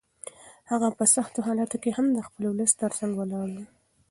هغه په سختو حالاتو کې هم د خپل ولس تر څنګ ولاړ و.